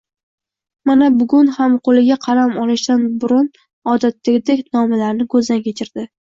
Mana, bugun ham qo`liga qalam olishdan burun, odatdagidek, nomalarni ko`zdan kechirdi